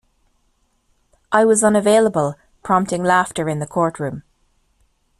I was unavailable, prompting laughter in the courtroom.